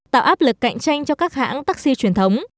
tạo áp lực cạnh tranh cho các hãng taxi truyền thống